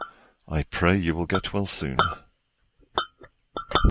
I pray you will get well soon.